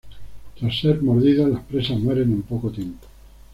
Tras ser mordidas, las presas mueren en poco tiempo.